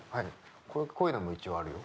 こういうようなのも一応あるよ。